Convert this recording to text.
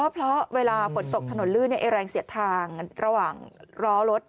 เพราะเวลาฝนตกถนนลื่นแรงเสียดทางระหว่างล้อรถ